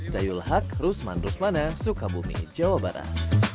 cayul haq rusman rusmana sukabumi jawa barat